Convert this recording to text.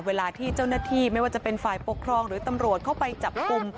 เวลาที่เจ้าหน้าที่ไม่ว่าจะเป็นฝ่ายปกครองหรือตำรวจเข้าไปจับกลุ่ม